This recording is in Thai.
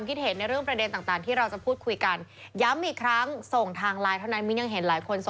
ไม่หวนอื่นกับทางงานเดียว